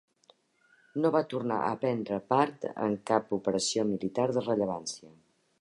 No va tornar a prendre part en cap operació militar de rellevància.